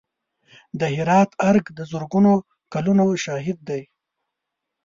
د هرات ارګ د زرګونو کلونو شاهد دی.